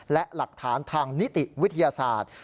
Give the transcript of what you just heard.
และหลักฐานทางนิติวิทยาศาสตร์